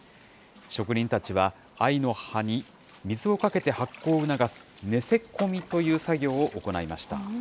職人たちは、藍の葉に水をかけて発酵を促す寝せ込みという作業を行いました。